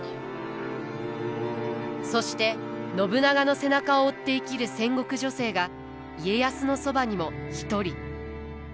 そして信長の背中を追って生きる戦国女性が家康のそばにも一人。